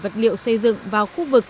sửa vật liệu xây dựng vào khu vực